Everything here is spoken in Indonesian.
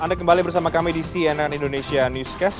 anda kembali bersama kami di cnn indonesia newscast